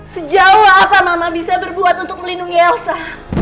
sejauh apa mama bisa berbuat untuk melindungi elsa